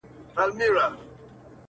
o کلي ته ولاړم هر يو يار راڅخه مخ واړوئ,